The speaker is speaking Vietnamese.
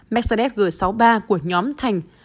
mercedes g sáu mươi ba của nhóm thành